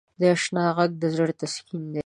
د اشنا ږغ د زړه تسکین دی.